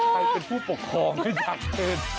ใครเป็นผู้ปกครองให้ชัดเจน